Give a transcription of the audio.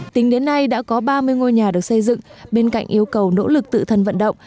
tính đến nay đã có ba mươi ngôi nhà được xây dựng bên cạnh yêu cầu nỗ lực tự thân vận động